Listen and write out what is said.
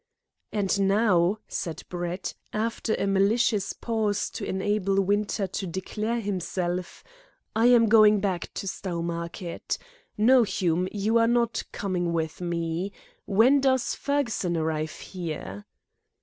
"And now," said Brett, after a malicious pause to enable Winter to declare himself, "I am going back to Stowmarket. No, Hume, you are not coming with me. When does Fergusson arrive here?"